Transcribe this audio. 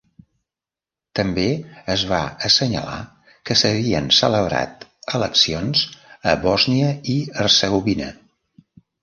També es va assenyalar que s'havien celebrat eleccions a Bòsnia i Hercegovina.